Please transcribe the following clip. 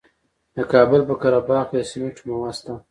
د کابل په قره باغ کې د سمنټو مواد شته.